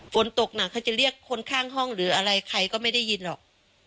ฝนตกหนักเขาจะเรียกคนข้างห้องหรืออะไรใครก็ไม่ได้ยินหรอก